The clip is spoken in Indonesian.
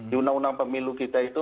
di undang undang pemilu kita itu